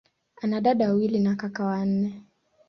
Ana dada wawili na kaka wanne.